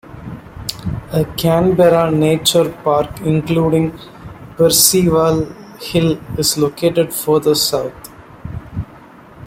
A Canberra Nature Park including Percival Hill is located further south.